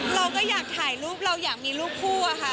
เราก็อยากถ่ายรูปเราอยากมีรูปคู่อะค่ะ